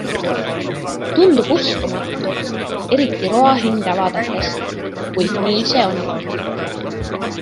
Tundub uskumatu, eriti roa hinda vaadates, kuid nii see on.